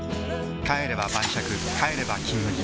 帰れば晩酌帰れば「金麦」